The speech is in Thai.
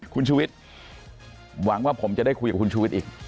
คุณชูวิทย์หวังว่าผมจะได้คุยกับคุณชูวิทย์อีก